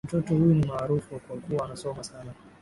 Mtoto huyu ni maarafu kwa kuwa anasoma sana.